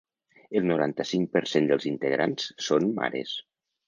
El noranta-cinc per cent dels integrants són mares.